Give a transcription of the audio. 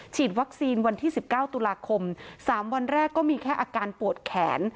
ฉีดวัคซีนวันที่๑๙ตุลาคม๓วันแรกก็มีแค่อาการปวดแขน